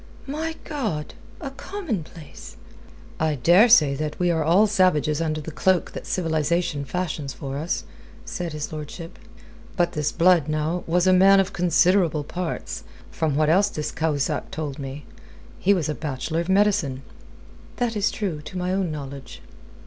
"My God! A commonplace!" "I dare say that we are all savages under the cloak that civilization fashions for us," said his lordship. "But this Blood, now, was a man of considerable parts, from what else this Cahusac told me. He was a bachelor of medicine." "That is true, to my own knowledge."